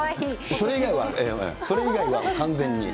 それ以外は、それ以外は完全に。